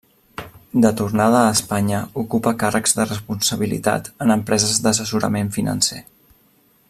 De tornada a Espanya, ocupa càrrecs de responsabilitat en empreses d'assessorament financer.